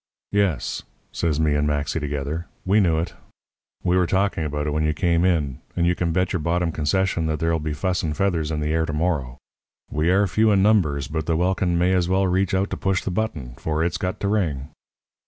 "'Yes,' says me and Maxy together, 'we knew it. We were talking about it when you came in. And you can bet your bottom concession that there'll be fuss and feathers in the air to morrow. We are few in numbers, but the welkin may as well reach out to push the button, for it's got to ring.'